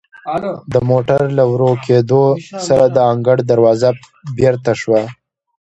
د موټر له ورو کیدو سره د انګړ دروازه بیرته شوه.